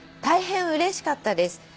大変うれしかったです」